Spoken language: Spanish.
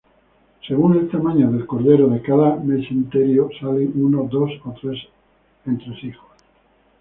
Según el tamaño del cordero, de cada mesenterio salen uno, dos o tres entresijos.